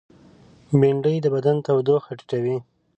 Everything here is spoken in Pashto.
بېنډۍ د بدن تودوخه ټیټوي